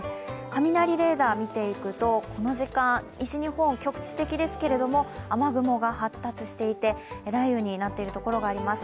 雷レーダー見ていくとこの時間西日本は局地的ですけれども、雨雲が発達していて雷雨になっているところがあります。